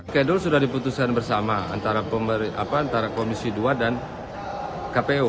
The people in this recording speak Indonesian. kedul sudah diputuskan bersama antara komisi dua dan kpu